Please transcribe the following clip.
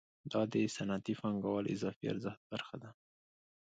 دا د صنعتي پانګوال د اضافي ارزښت برخه ده